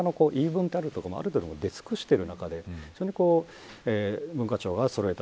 教団側の言い分とかがある程度、出尽くしている中で文化庁はそろえた。